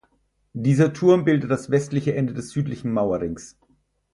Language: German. Dieser Turm bildete das westliche Ende des südlichen Mauerrings.